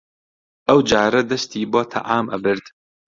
ئەوجارە دەستی بۆ تەعام ئەبرد